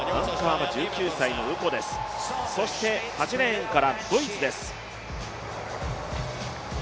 そして８レーンからドイツです。